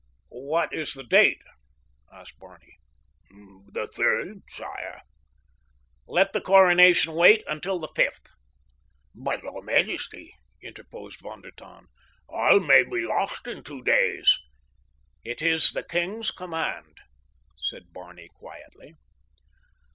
"What is the date?" asked Barney. "The third, sire." "Let the coronation wait until the fifth." "But your majesty," interposed Von der Tann, "all may be lost in two days." "It is the king's command," said Barney quietly.